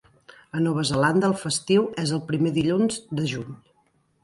A Nova Zelanda, el festiu és el primer dilluns de juny.